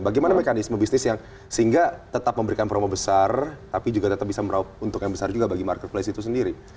bagaimana mekanisme bisnis yang sehingga tetap memberikan promo besar tapi juga tetap bisa meraup untung yang besar juga bagi marketplace itu sendiri